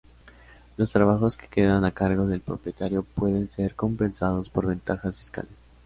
Los trabajos que quedan a cargo del propietario pueden ser compensados por ventajas fiscales.